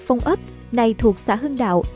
phong ấp nay thuộc xã hưng đạo